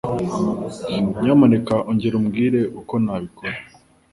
Nyamuneka ongera umbwire uko nabikora.